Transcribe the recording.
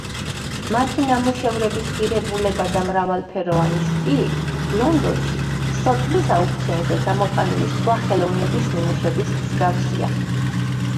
მათი ნამუშევრების ღირებულება და მრავალფეროვანი სტილი ლონდონში სოტბის აუქციონზე გამოტანილი სხვა ხელოვნების ნიმუშების მსგავსია.